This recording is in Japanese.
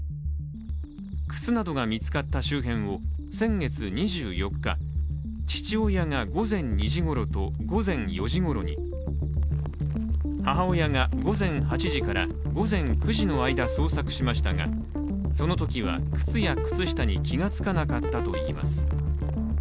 靴などが見つかった周辺を先月２４日、父親が午前２時ごろと午前４時ごろに、母親が午前８時から午前９時の間捜索しましたがそのときは靴や靴下に気がつかなかったといいます。